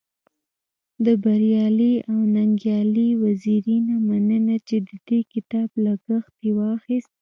د بريالي او ننګيالي وزيري نه مننه چی د دې کتاب لګښت يې واخست.